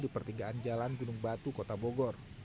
di pertigaan jalan gunung batu kota bogor